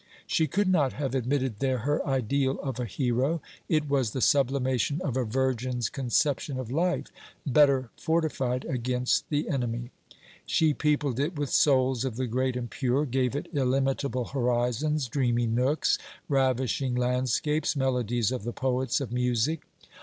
She could not have admitted there her ideal of a hero. It was the sublimation of a virgin's conception of life, better fortified against the enemy. She peopled it with souls of the great and pure, gave it illimitable horizons, dreamy nooks, ravishing landscapes, melodies of the poets of music.